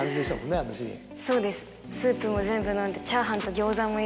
そうです。